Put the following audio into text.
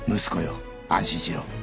息子よ安心しろ